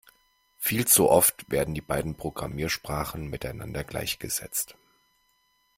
Viel zu oft werden die beiden Programmiersprachen miteinander gleichgesetzt.